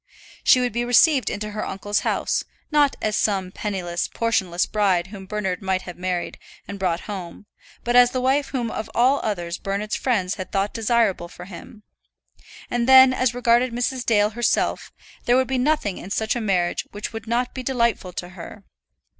She would be received into her uncle's house, not as some penniless, portionless bride whom Bernard might have married and brought home, but as the wife whom of all others Bernard's friends had thought desirable for him. And then, as regarded Mrs. Dale herself, there would be nothing in such a marriage which would not be delightful to her.